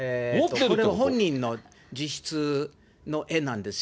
これは本人の自筆の絵なんですよ。